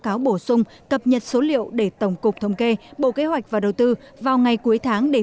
cáo bổ sung cập nhật số liệu để tổng cục thống kê bộ kế hoạch và đầu tư vào ngày cuối tháng để